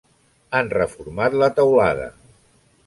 Han reformat la teulada.